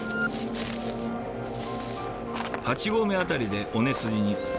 ８合目辺りで尾根すじに。